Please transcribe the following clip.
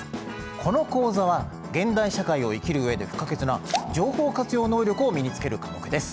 この講座は現代社会を生きるうえで不可欠な情報活用能力を身につける科目です。